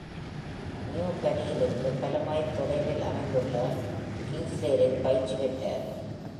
நியூபரியிலிருந்து பல மைல் தொலைவில் அமைந்துள்ள கிங்ஸ்லேரில் பயிற்சி பெற்றார்.